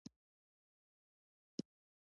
د پیرودونکي باور د تلپاتې اړیکې راز دی.